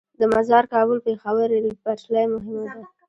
د مزار - کابل - پیښور ریل پټلۍ مهمه ده